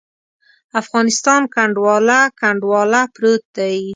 افغانستان کنډواله، کنډواله پروت دی.